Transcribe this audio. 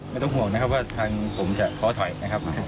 ไม่ต้องห่วงนะครับว่าทางผมจะท้อถอยนะครับ